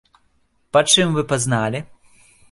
Па чым вы пазналі?